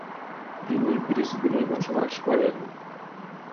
তিনি ব্রিসবেনে বসবাস করছেন।